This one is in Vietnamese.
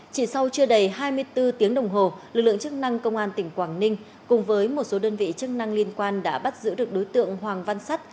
chỉ sau chưa đầy hai mươi bốn tiếng đồng hồ lực lượng chức năng công an tỉnh quảng ninh cùng với một số đơn vị chức năng liên quan đã bắt giữ được đối tượng hoàng văn sắt